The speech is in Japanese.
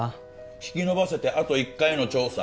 引き延ばせてあと１回の調査。